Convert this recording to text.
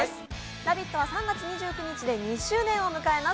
「ラヴィット！」は３月２９日で２周年を迎えます。